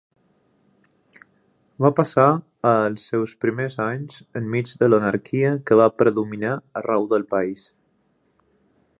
Va passar els seus primers anys enmig de l'anarquia que va predominar arreu del país.